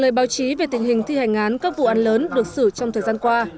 lời báo chí về tình hình thi hành án các vụ án lớn được xử trong thời gian qua